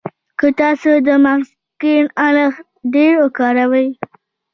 که تاسې د مغز کڼ اړخ ډېر کاروئ.